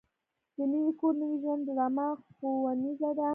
د نوي کور نوي ژوند ډرامه ښوونیزه ده.